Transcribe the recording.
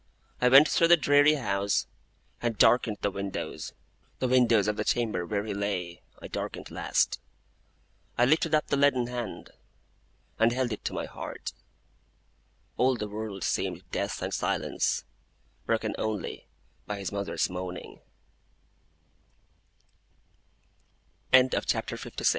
I went through the dreary house, and darkened the windows. The windows of the chamber where he lay, I darkened last. I lifted up the leaden hand, and held it to my heart; and all the world seemed death and silence, broken only by his